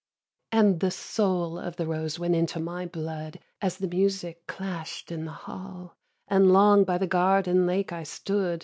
6. And the soul of the rose went into my blood, As the music clash'd in the hall; And long by the garden lake I stood.